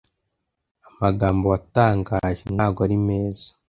amagambo watangaje ntago ari meza